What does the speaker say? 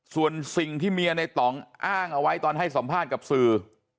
ส่วนสิ่งที่เมียในต่องอ้างเอาไว้ตอนให้สัมภาษณ์กับสื่อ